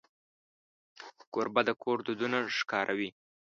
کوربه د کور دودونه ښکاروي.